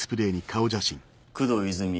工藤泉。